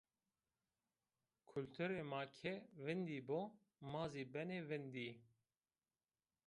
Kulturê ma ke vîndî bo, ma zî benê vîndî